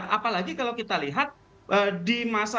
apalagi kalau kita lihat di masa